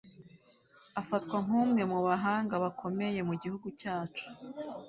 Afatwa nkumwe mu bahanga bakomeye mu gihugu cyacu